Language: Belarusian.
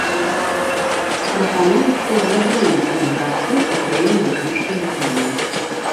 Прапануецца забараніць эміграцыю ў краіну выключна мусульман.